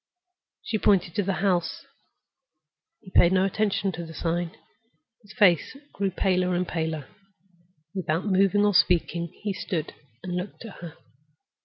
She pointed to the house. He paid no attention to the sign. His face grew paler and paler. Without moving or speaking he stood and looked at her.